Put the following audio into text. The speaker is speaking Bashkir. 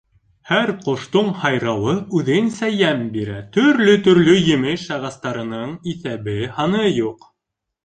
Һәр ҡоштоң һайрауы үҙенсә йәм бирә, төрлө-төрлө емеш ағастарының иҫәбе-һаны юҡ.